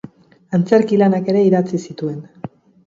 Antzerki lanak ere idatzi zituen.